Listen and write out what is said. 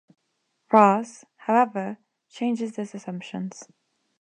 Ross, however, challenges these assumptions.